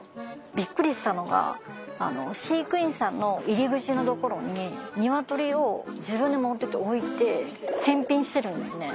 びっくりしたのが飼育員さんの入り口のところにニワトリを自分で持っていって置いて返品してるんですね。